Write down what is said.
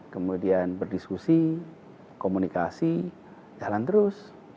kemudian berdiskusi komunikasi jalan terus